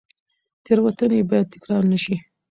تېروتنې باید تکرار نه شي.